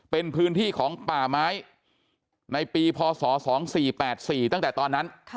เป็นพื้นที่ของป่าไม้ในปีพศ๒๔๘๔ตั้งแต่ตอนนั้น